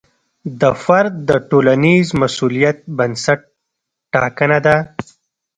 د فرد د ټولنیز مسوولیت بنسټ ټاکنه ده.